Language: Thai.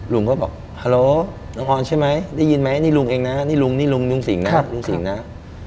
ลุงก็บอกฮาโลน้องออนใช่ไหมได้ยินไหมนี่ลุงเองนะนี่ลุงนี่ลุงลุงสิงนะลุงสิงนะ